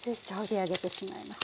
仕上げてしまいます。